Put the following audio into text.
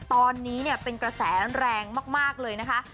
ตอนนี้เป็นกระแสแรงมากเลยนะคะ